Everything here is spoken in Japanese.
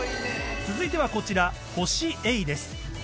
続いてはこちら、ホシエイです。